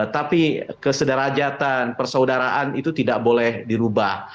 tapi kesederajatan persaudaraan itu tidak boleh dirubah